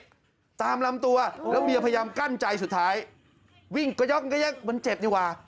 แล้วตามมาถึงกล้องนี้ทุบขาจนจบนะฮะ